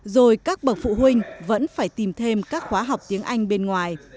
rồi các bậc phụ huynh vẫn phải tìm thêm các khóa học tiếng anh bên ngoài